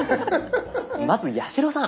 まず八代さん。